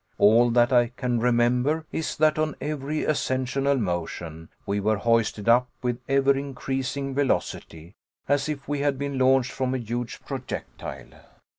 All that I can remember is, that on every ascensional motion, we were hoisted up with ever increasing velocity, as if we had been launched from a huge projectile.